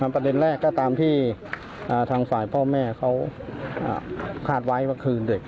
นำรถสว่างมาคอยอำนวยความสะดวกในการค้นหาช่วงกลางคืนด้วย